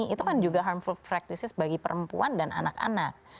itu kan juga harmful practices bagi perempuan dan anak anak